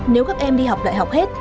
nếu các em đi học đại học hết